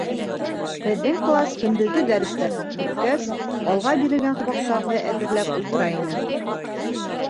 Беҙҙең класс, көндөҙгө дәрестәр бөткәс, алға бирелгән һабаҡтарҙы әҙерләп ултыра ине.